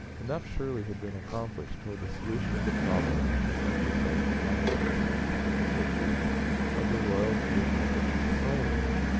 Enough surely had been accomplished towards the solution of the problem that had exercised the minds of his scientific associates of the Royal Geograpical Society.